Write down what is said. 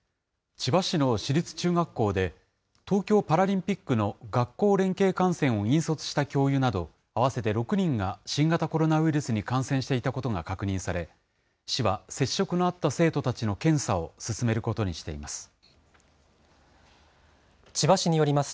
千葉市の市立中学校で、東京パラリンピックの学校連携観戦を引率した教諭など、合わせて６人が新型コロナウイルスに感染していたことが確認され、市は接触のあった生徒たちの検査を進めることにしています。